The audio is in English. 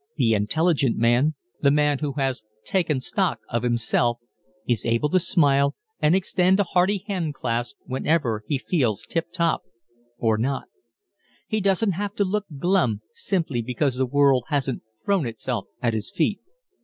The intelligent man, the man who has taken stock of himself, is able to smile and extend a hearty handclasp whether he feels tip top or not. He doesn't have to look glum simply because the world hasn't thrown itself at his feet.